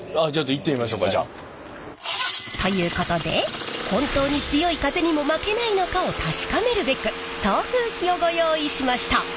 行ってみましょうかじゃあ。ということで本当に強い風にも負けないのかを確かめるべく送風機をご用意しました。